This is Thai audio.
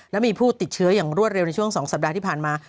และมีผู้ติดเชื้ออย่างรวดเร็วในช่วง๒สัปดาห์ที่ผ่านมา